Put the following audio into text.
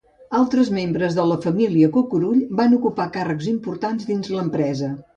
Altres membres de la família Cucurull van ocupar càrrecs importants dins l’empresa.